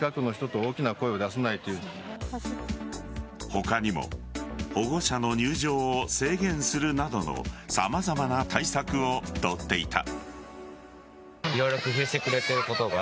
他にも保護者の入場を制限するなどの様々な対策を取っていた。